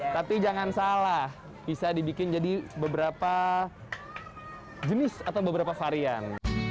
tapi jangan salah bisa dibikin jadi beberapa jenis atau beberapa varian